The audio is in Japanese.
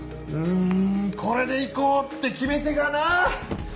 んこれで行こうって決め手がな！